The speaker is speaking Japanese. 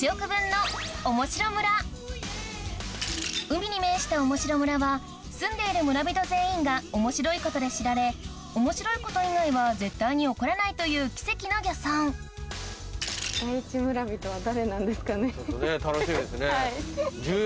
海に面したおもしろ村は住んでいる村人全員が面白いことで知られ面白いこと以外は絶対に起こらないという奇跡の漁村そうですよね。